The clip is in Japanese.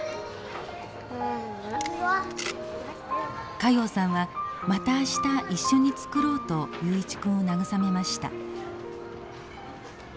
加用さんはまた明日一緒に作ろうと雄一君を慰めました。